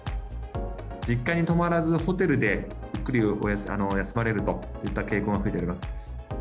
実家に泊まらずホテルでゆっくり休まれるといった傾向が増えております。